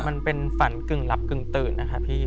มันเป็นฝันกึ่งหลับกึ่งตื่นนะคะพี่